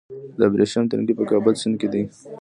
د ابریشم تنګی په کابل سیند کې دی